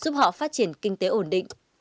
giúp họ phát triển kinh tế ổn định